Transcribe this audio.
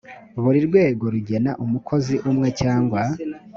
buri rwego rugena umukozi umwe cyangwa